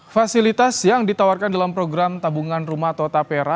fasilitas yang ditawarkan dalam program tabungan rumah atau tapera